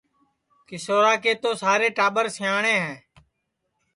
کیشورا کے تو سارے ٹاٻر سیاٹؔے ہے